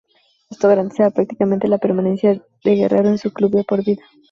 Esto garantizaba, prácticamente, la permanencia de Guerrero en "su club" de por vida.